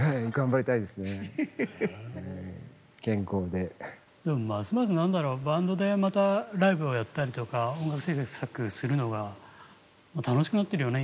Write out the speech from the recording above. でもますます何だろうバンドでまたライブをやったりとか音楽制作するのが楽しくなってるよね